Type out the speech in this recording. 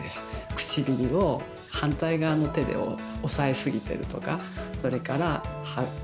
唇を反対側の手で押さえすぎてるとかそれから歯ブラシが痛いとかね。